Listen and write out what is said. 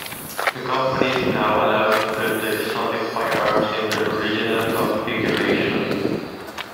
The company is now allowed to build the exotic firearms in their original configuration.